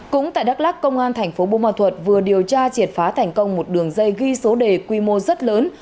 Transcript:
cũng tại đắk lắc công an tp bộ mạng thuận vừa điều tra triệt phá thành công một đường dây ghi số đề quy mô rất lớn